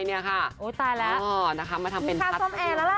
มึงได้วิธีทารย์สมแอร์แล้วละ